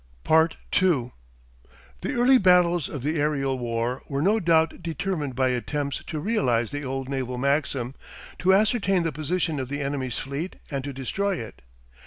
2 The early battles of the aerial war were no doubt determined by attempts to realise the old naval maxim, to ascertain the position of the enemy's fleet and to destroy it.